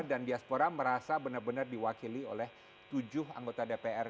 dan diaspora merasa benar benar diwakili oleh tujuh anggota dpr